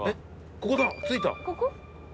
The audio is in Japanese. ここだ。